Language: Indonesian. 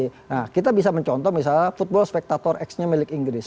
nah kita bisa mencontoh misalnya football spectator x nya milik inggris